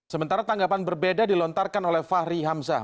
sementara tanggapan berbeda dilontarkan oleh fahri hamzah